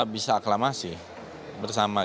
bisa aklamasi bersama